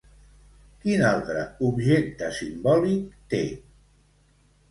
Quin altre objecte simbòlic té?